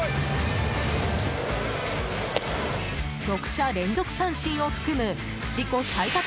６者連続三振を含む自己最多